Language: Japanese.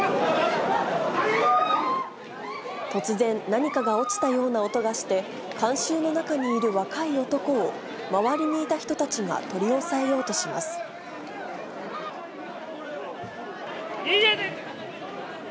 突然、何かが落ちたような音がして、観衆の中にいる若い男を、周りにいた人たちが取り押さえようとし逃げて。